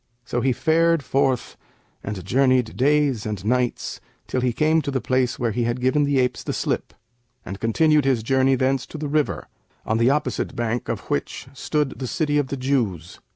So he fared forth and journeyed days and nights till he came to the place where he had given the apes the slip, and continued his journey thence to the river, on the opposite bank of which stood the City of the Jews.